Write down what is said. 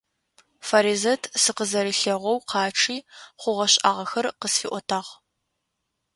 Фаризэт сыкъызэрилъэгъоу къачъи, хъугъэ-шӀагъэхэр къысфиӀотагъ.